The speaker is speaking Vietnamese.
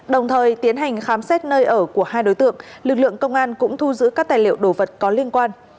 đồng thời tiến hành khám xét nơi ở của hai đối tượng lực lượng công an cũng thu giữ các tài liệu đồ vật có liên quan